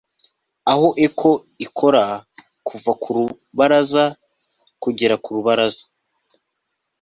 Aho echo ikora kuva ku rubaraza kugera ku rubaraza